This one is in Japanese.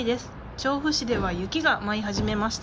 調布市では雪が舞い始めました。